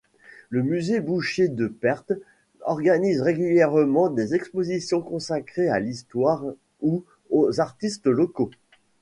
Le musée Boucher-de-Perthes organise régulièrement des expositions consacrées à l'histoire ou aux artistes locaux.